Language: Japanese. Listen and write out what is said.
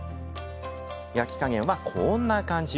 焼き加減はこんな感じ。